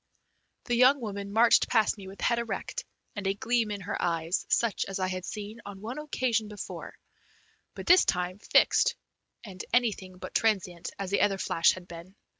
The young woman marched past me with head erect, and a gleam in her eyes such as I had seen on one occasion before, but this time fixed and anything but transient, as the other flash had been.